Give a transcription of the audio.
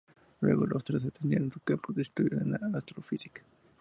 Luego, los tres extenderían su campo de estudio a la astrofísica.